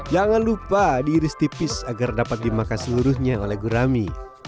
jangan lupa diiris tipis agar dapat dimakan seluruhnya oleh gurami